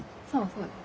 そうです。